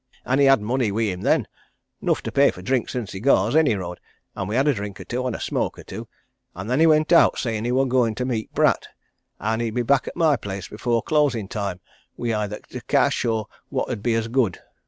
And he had money wi' him then 'nough to pay for drinks and cigars, any road, and we had a drink or two, and a smoke or two, and then he went out, sayin' he wor goin' to meet Pratt, and he'd be back at my place before closin' time wi' either t' cash or what 'ud be as good.